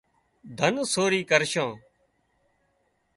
ڌن سورِي ڪرشان